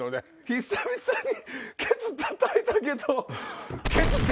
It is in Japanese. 久々にケツたたいたけど。